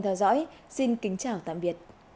hẹn gặp lại